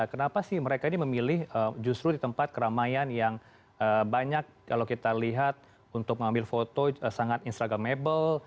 kenapa sih mereka ini memilih justru di tempat keramaian yang banyak kalau kita lihat untuk mengambil foto sangat instagramable